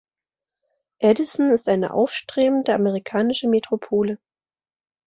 Edison ist eine aufstrebende amerikanische Metropole.